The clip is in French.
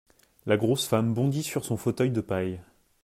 La grosse femme bondit sur son fauteuil de paille.